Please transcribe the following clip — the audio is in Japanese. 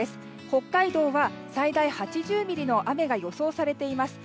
北海道は最大８０ミリの雨が予想されています。